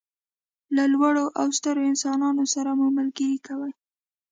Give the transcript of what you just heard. له لوړو او سترو انسانانو سره مو ملګري کوي.